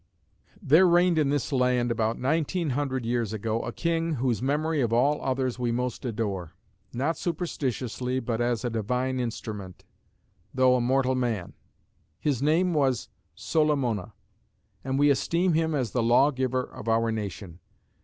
"There reigned in this land, about nineteen hundred years ago, a king, whose memory of all others we most adore; not superstitiously, but as a divine instrument, though a mortal man; his name was Solamona: and we esteem him as the lawgiver of our nation.